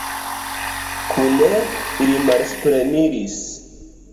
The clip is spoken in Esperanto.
Kune ili malsupreniris.